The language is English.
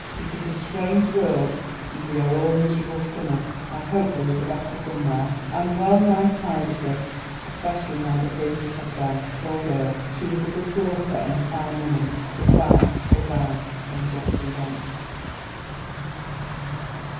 "It is a strange world and we are all miserable sinners. I hope there is a better somewhere. I'm well nigh tired of this, especially now that Beatrice has gone. Poor girl, she was a good daughter and a fine woman. Good bye. Good bye!" Then Geoffrey went.